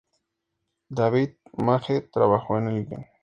David Magee trabajó en el guion.